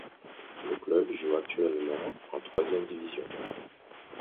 Le club joue actuellement en troisième division.